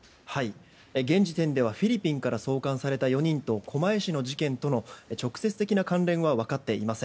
現時点ではフィリピンから送還された４人と狛江市との事件の直接的な関連は分かっていません。